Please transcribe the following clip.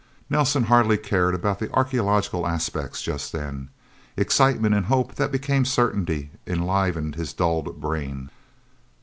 Nelsen hardly cared about the archeological aspects just then. Excitement and hope that became certainty, enlivened his dulled brain.